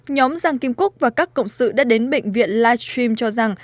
nhóm giang kim cúc và các cộng sự đã đến bệnh viện live stream cho rằng